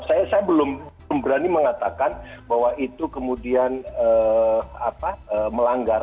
saya belum berani mengatakan bahwa itu kemudian melanggar